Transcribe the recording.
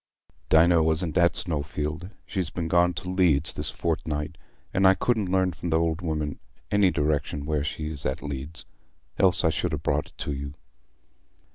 "Dinah wasn't at Snowfield. She's been gone to Leeds this fortnight, and I couldn't learn from th' old woman any direction where she is at Leeds, else I should ha' brought it you."